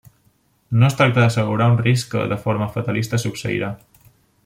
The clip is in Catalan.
No es tracta d'assegurar un risc que de forma fatalista succeirà.